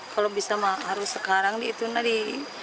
kalau bisa mah harus sekarang dihitung tadi